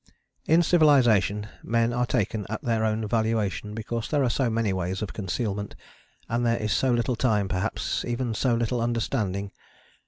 In civilization men are taken at their own valuation because there are so many ways of concealment, and there is so little time, perhaps even so little understanding.